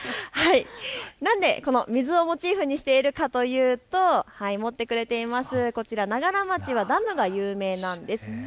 なんで水をモチーフにしているかというと、持ってくれています、長柄町はダムが有名なんです。